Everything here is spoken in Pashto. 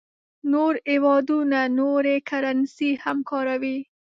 نور هېوادونه نورې کرنسۍ هم کاروي.